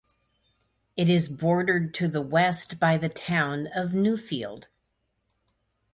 It is bordered to the west by the town of Newfield.